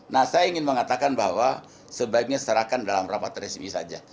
nah saya ingin mengatakan bahwa sebaiknya serahkan dalam rapat resmi saja